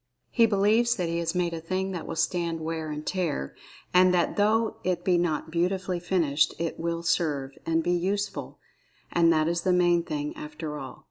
He believes that he has made a thing that will stand wear and tear, and that though it be not[Pg 8] beautifully finished, it "will serve," and "be useful." And that is the main thing, after all.